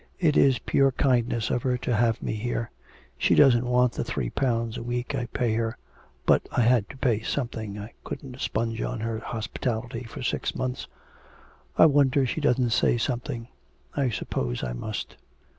It is pure kindness of her to have me here; she doesn't want the three pounds a week I pay her. But I had to pay something. I couldn't sponge on her hospitality for six months... I wonder she doesn't say something. I suppose I must.'